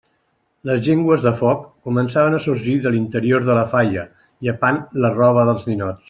Les llengües de foc començaven a sorgir de l'interior de la falla, llepant la roba dels ninots.